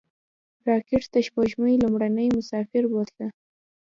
راکټ د سپوږمۍ لومړنی مسافر بوتله